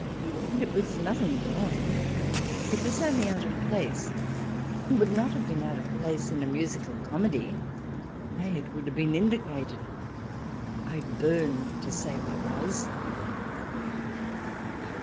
And it was nothing wrong — it was only out of place, and would not have been out of place in a musical comedy — nay, it would have been indicated. ... I burn to say what it was.